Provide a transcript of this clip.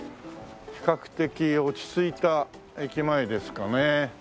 比較的落ち着いた駅前ですかね。